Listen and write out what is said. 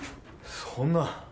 そんな。